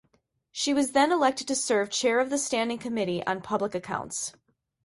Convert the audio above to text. She was then elected to serve chair of the Standing Committee on Public Accounts.